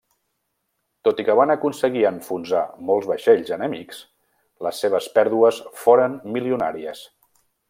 Tot i que van aconseguir enfonsar molts vaixells enemics, les seves pèrdues foren milionàries.